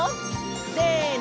せの！